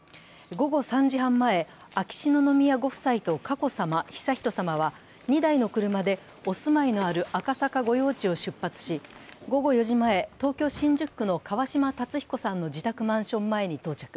午後３時半前、秋篠宮ご夫妻と佳子さま、悠仁さまは２台の車でお住まいのある赤坂御用地を出発し午後４時前、東京・新宿区の川嶋辰彦さんの自宅マンション前に到着。